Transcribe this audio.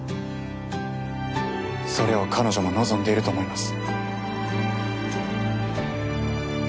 それを彼女も望んでいると思います。